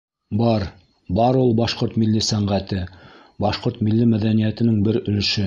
Бар, бар ул башҡорт милли сәнғәте, башҡорт милли мәҙәниәтенең бер өлөшө.